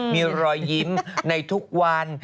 มีรอยยิ้มในทุกวัน